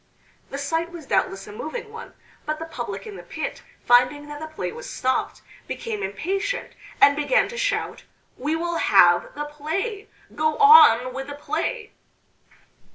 The sight was doubtless a moving one, but the public in the pit, finding that the play was stopped, became impatient, and began to shout "We will have the play go on with the play!"